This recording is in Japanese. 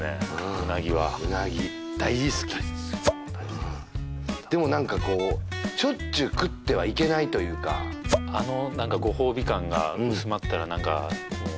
うなぎは大好き大好き同じですでも何かこうしょっちゅう食ってはいけないというかあの何かご褒美感が薄まったら何かもう